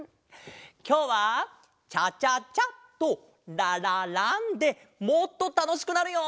きょうは「チャチャチャ」と「ラララン」でもっとたのしくなるよ！